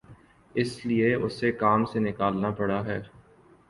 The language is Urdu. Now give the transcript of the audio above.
اس لیے اُسے کام سے نکالنا پڑا ہے